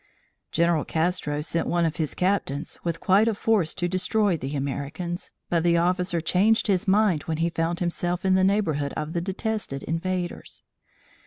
General Castro sent one of his captains, with quite a force to destroy the Americans, but the officer changed his mind when he found himself in the neighborhood of the detested invaders.